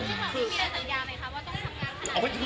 พี่หอมมีอะไรสัญญาไหมครับว่าต้องทำงานขนาดนั้น